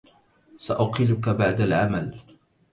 سأقلك بعد العمل.